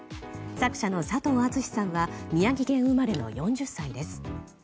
作者の佐藤厚志さんは宮城県生まれの４０歳です。